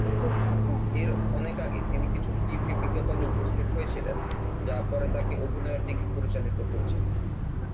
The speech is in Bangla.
এর অনেক আগে তিনি কিছু টিভি বিজ্ঞাপনে উপস্থিত হয়েছিলেন, যা পরে তাকে অভিনয়ের দিকে পরিচালিত করেছিল।